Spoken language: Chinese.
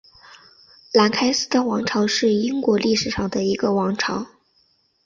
兰开斯特王朝是英国历史上的一个王朝。